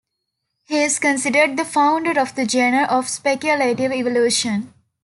He is considered the founder of the genre of speculative evolution.